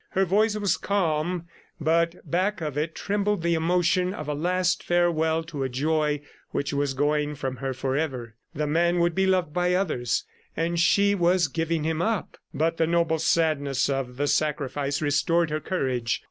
Her voice was calm, but back of it trembled the emotion of a last farewell to a joy which was going from her forever. The man would be loved by others ... and she was giving him up! ... But the noble sadness of the sacrifice restored her courage.